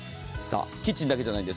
キッチンだけじゃないんです。